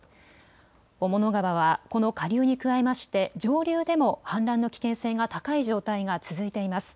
雄物川はこの下流に加えまして上流でも氾濫の危険性が高い状態が続いています。